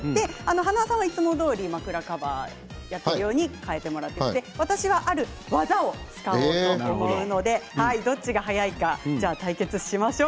塙さんは、いつもどおり枕カバーをやっているように替えていただいて私はある技を使うということでどっちが速いか対決しましょう。